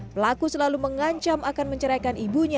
pelaku selalu mengancam akan menceraikan ibunya